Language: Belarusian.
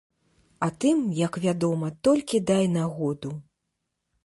А тым, як вядома, толькі дай нагоду.